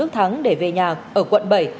tôn đức thắng để về nhà ở quận bảy